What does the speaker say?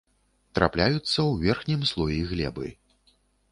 Трапляюцца ў верхнім слоі глебы.